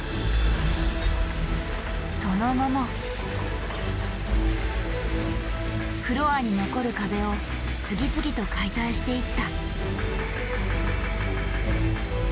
その後もフロアに残る壁を次々と解体していった。